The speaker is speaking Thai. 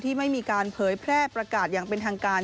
ไม่มีการเผยแพร่ประกาศอย่างเป็นทางการ